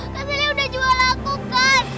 kak selly udah jual aku kan